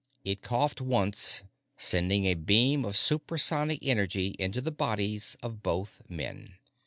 It coughed once, sending a beam of supersonic energy into the bodies of both men.